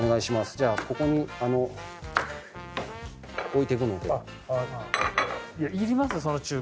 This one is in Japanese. じゃあここに置いていくので。